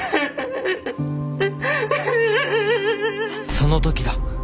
その時だ。